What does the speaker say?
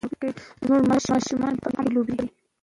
زموږ ماشومان به په امن کې لوبې کوي.